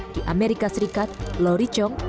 di amerika serikat lori chong